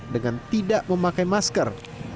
dengan tidak memakai masker